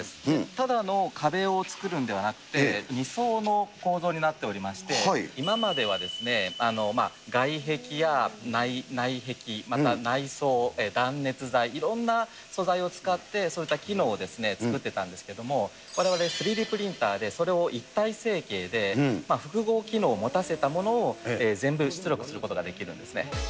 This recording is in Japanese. ただの壁を造るんではなくて、２層の構造になっておりまして、今までは外壁や内壁、また内装、断熱材、いろんな素材を使って、そういった機能を作ってたんですけれども、われわれ３Ｄプリンターで、それを一体成形で、複合機能を持たせたものを全部出力することができるんですね。